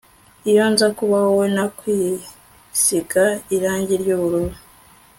Iyo nza kuba wowe nakwisiga irangi ryubururu